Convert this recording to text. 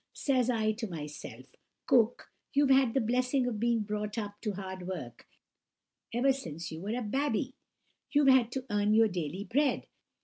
Says I to myself, 'Cook, you've had the blessing of being brought up to hard work ever since you were a babby. You've had to earn your daily bread.